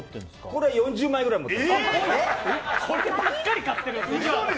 これは４０枚ぐらい持ってます。